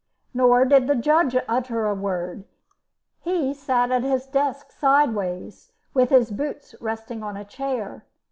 Nor did the judge utter a word; he sat at his desk sideways, with his boots resting on a chair.